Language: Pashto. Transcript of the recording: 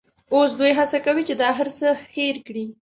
اوس دوی هڅه کوي چې دا هرڅه هېر کړي.